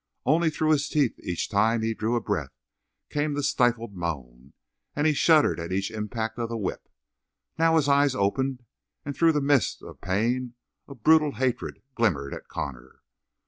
Only through his teeth, each time he drew breath, came that stifled moan, and he shuddered at each impact of the whip. Now his eyes opened, and through the mist of pain a brutal hatred glimmered at Connor.